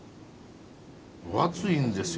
ぶ厚いんですよ